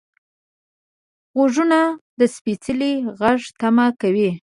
غوږونه د سپیڅلي غږ تمه کوي